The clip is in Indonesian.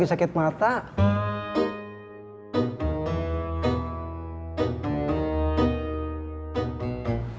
saya sudah selesai mencari ilang